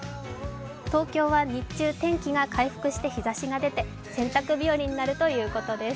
東京は日中、天気が回復して日ざしが出て洗濯日和になるということです。